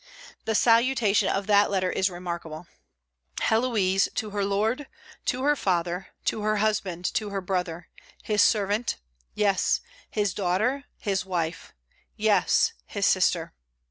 The salutation of that letter is remarkable: "Héloïse to her lord, to her father, to her husband, to her brother: his servant, yes, his daughter; his wife, yes, his sister."